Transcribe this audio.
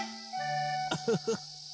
ウフフ。